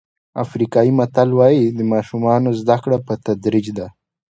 افریقایي متل وایي د ماشومانو زده کړه په تدریج ده.